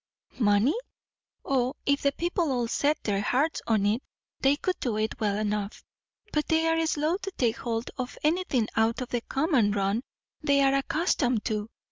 "Money? O, if the people all set their hearts on it, they could do it well enough. But they are slow to take hold of anything out of the common run they are accustomed to.